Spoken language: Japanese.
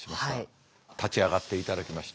立ち上がっていただきまして。